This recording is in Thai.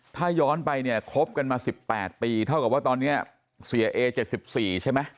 ถ้าย้อนไปเนี่ยคบกันมา๑๘ปีเท่ากับว่าตอนนี้เสียเอ๗๔ใช่ไหม